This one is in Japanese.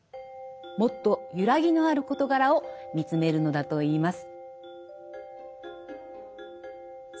もっと揺らぎのある事柄を見つめるのだといいます。